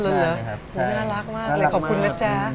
น่ารักมากเลยขอบคุณนะจ๊ะ